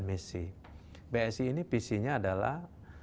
misi bsi ini pc nya adalah